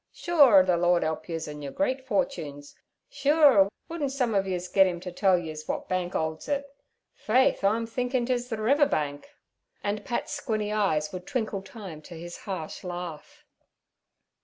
Shure, the Lor rd help yez an' your great forchunes. Shure, wouldn' some ov yez git 'im till tell yez, what bank houlds it? Faith, I'm thinkin' 'tis the river bank.' And Pat's squinny eyes would twinkle time to his harsh laugh.